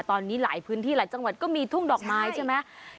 ตอนนี้หลายพื้นที่หลายจังหวัดก็มีทุ่งดอกไม้ใช่ไหม